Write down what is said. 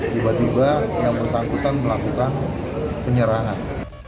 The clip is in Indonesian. tiba tiba yang bersangkutan melakukan penyerangan